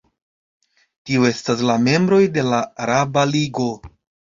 Tio estas la membroj de la Araba Ligo.